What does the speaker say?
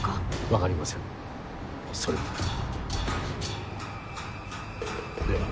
わかりませんそれも。では。